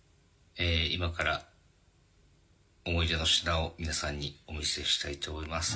今から思い出の品を皆さんにお見せしたいと思います。